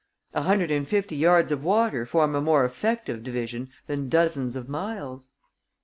A hundred and fifty yards of water form a more effective division than dozens of miles."